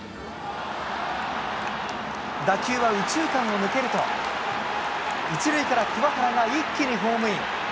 打球は右中間を抜けると、１塁から桑原が一気にホームイン。